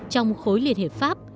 trong khối liên hiệp pháp